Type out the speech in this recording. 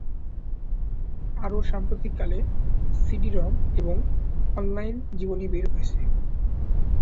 আরও সাম্প্রতিককালে, সিডি-রম এবং অনলাইন জীবনী বের হয়েছে।